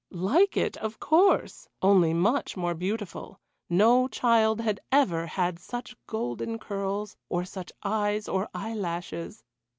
Like it! Of course! Only much more beautiful. No child had ever had such golden curls, or such eyes or eye lashes!